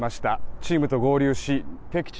チームと合流し敵地